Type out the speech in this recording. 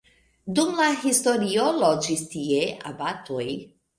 Dum la historio loĝis tie abatoj.